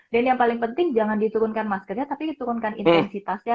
dan yang paling penting jangan diturunkan maskernya tapi turunkan intensitasnya